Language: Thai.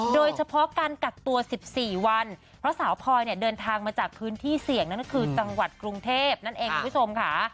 โดยเฉพาะการกักตัว๑๔วันเพราะสาวพลอยเนี่ยเดินทางมาจากพื้นที่เสี่ยงนั่นก็คือจังหวัดกรุงเทพนั่นเองคุณผู้ชมค่ะ